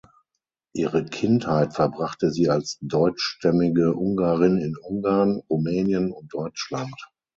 Ihre Kindheit verbrachte sie als deutschstämmige Ungarin in Ungarn, Rumänien und Deutschland.